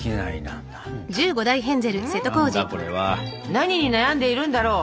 何に悩んでいるんだろう？